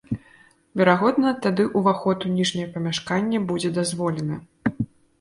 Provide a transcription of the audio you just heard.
Верагодна, тады ўваход у ніжняе памяшканне будзе дазволены.